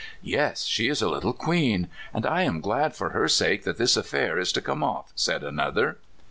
"Yes; she is a little queen. And I am glad for her sake that this affair is to come off," said another.